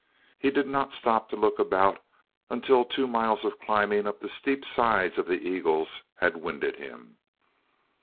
He did not stop to look about until two miles of climbing up the steep sides of the Eagles had winded him.